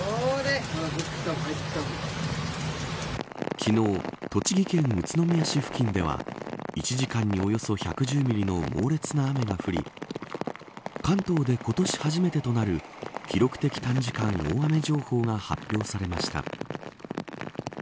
昨日、栃木県宇都宮市付近では１時間におよそ１１０ミリの猛烈な雨が降り関東で今年初めてとなる記録的短時間大雨情報が発表されました。